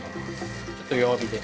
ちょっと弱火で。